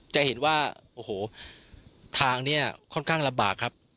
จะเห็นว่าโอ้โหทางนี้ค่อนข้างลำบากครับ